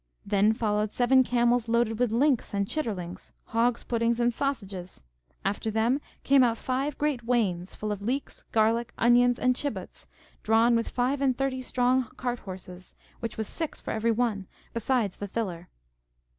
Then followed seven camels loaded with links and chitterlings, hogs' puddings, and sausages. After them came out five great wains, full of leeks, garlic, onions, and chibots, drawn with five and thirty strong cart horses, which was six for every one, besides the thiller.